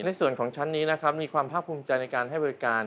ในส่วนของชั้นนี้นะครับมีความภาคภูมิใจในการให้บริการ